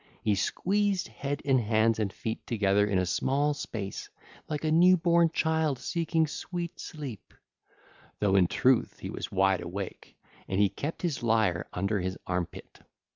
He squeezed head and hands and feet together in a small space, like a new born child seeking sweet sleep, though in truth he was wide awake, and he kept his lyre under his armpit.